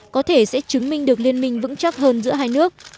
có thể sẽ chứng minh được liên minh vững chắc hơn giữa hai nước